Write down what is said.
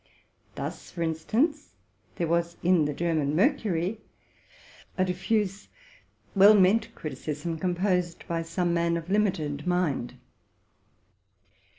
Thus, for instance, there was in '* The German Mercury '' a diffuse, well meant criticism, composed by some man of limited mind.